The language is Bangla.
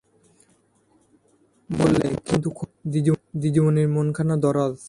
বললে, কিন্তু খোঁখী, দিদিমণির মনখানা দরাজ।